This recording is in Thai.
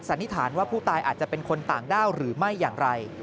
นิษฐานว่าผู้ตายอาจจะเป็นคนต่างด้าวหรือไม่อย่างไร